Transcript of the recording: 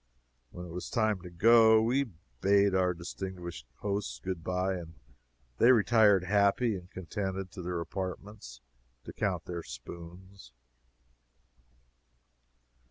When it was time to go, we bade our distinguished hosts good bye, and they retired happy and contented to their apartments to count their spoons.